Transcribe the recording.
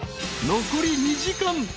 ［残り２時間。